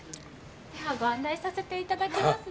ではご案内させて頂きますね。